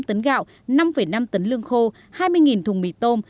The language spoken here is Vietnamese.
năm năm tấn lương khô hai mươi thùng mì tôm